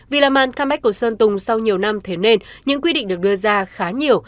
vì là màn comeback của sơn tùng sau nhiều năm thế nên những quy định được đưa ra khá nhiều